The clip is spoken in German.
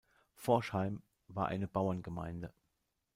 Forchheim war eine Bauerngemeinde.